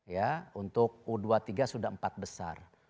ya untuk u dua puluh tiga sudah empat besar